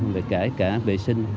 về kể cả vệ sinh